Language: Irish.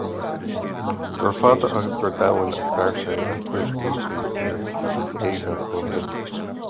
Gur fada agus gur domhain a scar sé a chuid rútaí agus géaga ó shin.